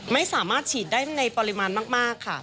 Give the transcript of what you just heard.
ไม่สามารถฉีดได้ในปริมาณมากค่ะ